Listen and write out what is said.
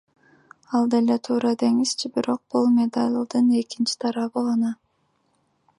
Ал деле туура деңизчи, бирок бул медалдын экинчи тарабы гана.